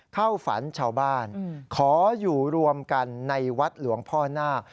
เข้าฝันชาวบ้านขออยู่รวมกันในวัดหลวงพ่อนาค